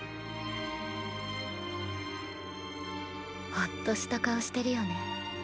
ホッとした顔してるよね。